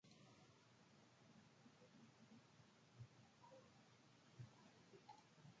David prepara a Weyland para una excursión a la nave de los Ingenieros.